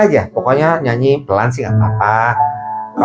jangan nyanyi pelan pelan